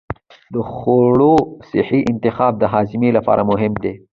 د خوړو صحي انتخاب د هاضمې لپاره مهم دی.